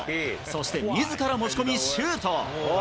そしてみずから持ち込みシュート。